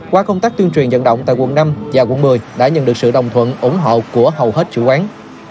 qua công tác tuyên truyền dẫn động tại quận năm và quận một mươi đã nhận được sự đồng thuận ủng hộ của hầu hết chủ quán